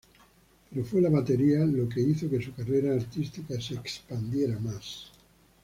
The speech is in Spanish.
Pero fue la batería lo que hizo que su carrera artística se expandiera más.